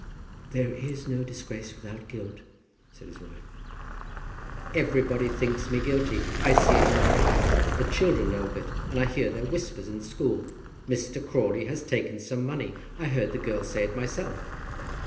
"There is no disgrace without guilt," said his wife. "Everybody thinks me guilty. I see it in their eyes. The children know of it, and I hear their whispers in the school, 'Mr. Crawley has taken some money.' I heard the girl say it myself."